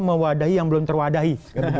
mewadahi yang belum terwadahi